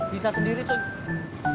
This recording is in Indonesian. bisa sendiri coy